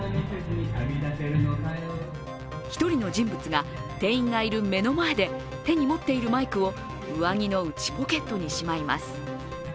１人の人物が店員がいる目の前で手に持っているマイクを上着の内ポケットにしまいます。